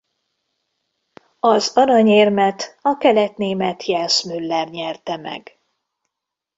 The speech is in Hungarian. Az aranyérmet a keletnémet Jens Müller nyerte meg.